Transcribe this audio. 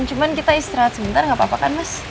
cuman kita istirahat sebentar nggak apa apa kan mas